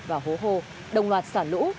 và hồ hồ đồng loạt sản lũ